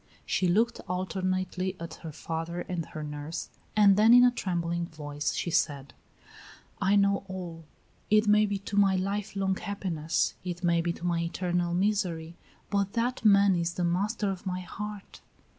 She looked alternately at her father and at her nurse, and then in a trembling voice she said: "I know all. It may be to my life long happiness; it may be to my eternal misery; but that man is the master of my heart."